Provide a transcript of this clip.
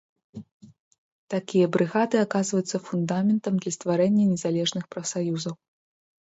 Такія брыгады аказваюцца фундаментам для стварэння незалежных прафсаюзаў.